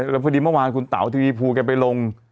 แล้วพอดีเมื่อวานคุณเต๋าทีวีภูแกไปลง